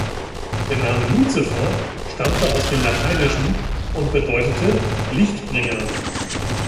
Der Name "Lucifer" stammte aus dem lateinischen und bedeutete ‚Lichtbringer‘.